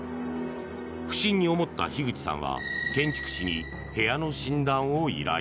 不審に思った樋口さんは建築士に部屋の診断を依頼。